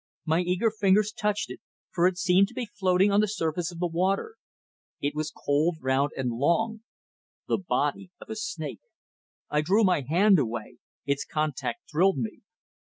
My eager fingers touched it, for it seemed to be floating on the surface of the water. It was cold, round, and long the body of a snake! I drew my hand away. Its contact thrilled me.